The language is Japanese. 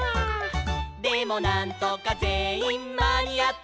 「でもなんとかぜんいんまにあって」